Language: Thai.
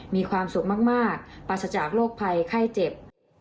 มีความสุขมากปราศจากโรคภัยไข้เจ็บ